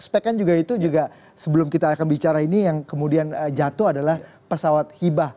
spek kan juga itu juga sebelum kita akan bicara ini yang kemudian jatuh adalah pesawat hibah